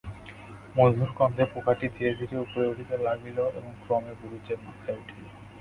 মধুর গন্ধে পোকাটি ধীরে ধীরে উপরে উঠিতে লাগিল এবং ক্রমে বুরুজের মাথায় উঠিল।